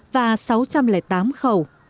và sáu trăm linh tám khẩu